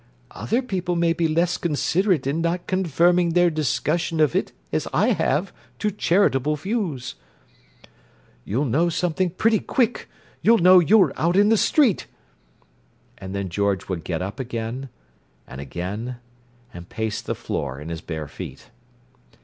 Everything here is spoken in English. "Other people may be less considerate in not confining their discussion of it, as I have, to charitable views."... "you'll know something pretty quick! You'll know you're out in the street."... And then George would get up again—and again—and pace the floor in his bare feet.